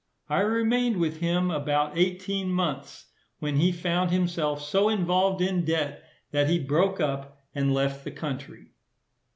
I remained with him about eighteen months, when he found himself so involved in debt, that he broke up, and left the country.